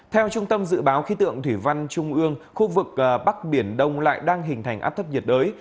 theo trung tâm dự báo khí tượng thủy văn trung ương khu vực bắc biển đông lại đang hình thành áp thấp nhiệt đới